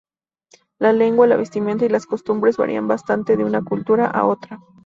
La lengua, la vestimenta y las costumbres varían bastante de una cultura a otra.